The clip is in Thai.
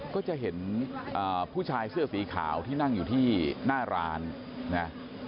ก็จะเห็นผู้ชายเสื้อสีขาวที่นั่งอยู่ที่หน้าร้านนะ